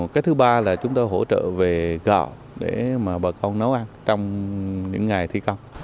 cái thứ ba là chúng tôi hỗ trợ về gạo để mà bà con nấu ăn trong những ngày thi công